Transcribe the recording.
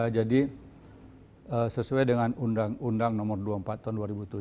jadi sesuai dengan undang undang nomor dua puluh empat tahun dua ribu tujuh